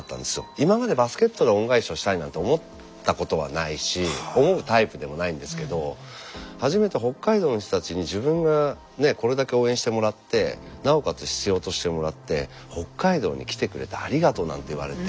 今までバスケットで恩返しをしたいなんて思ったことはないし思うタイプでもないんですけど初めて北海道の人たちに自分がこれだけ応援してもらってなおかつ必要としてもらって「北海道に来てくれてありがとう」なんて言われて。